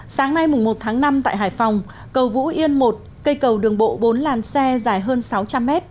sáng nay một tháng năm tại hải phòng cầu vũ yên một cây cầu đường bộ bốn làn xe dài hơn sáu trăm linh m